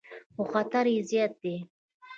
خو خطر یې زیات دی.